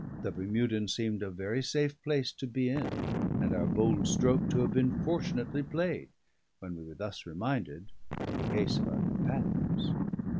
The Bermudan seemed a very safe place to be in, and our bold stroke to have been fortunately played, when we were thus reminded of the case of our companions.